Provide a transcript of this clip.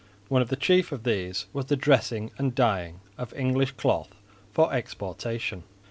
One of the chief of these was the dressing and dyeing of English cloth for exportation.